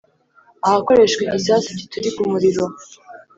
ahakoreshwa igisasu giturika umuriro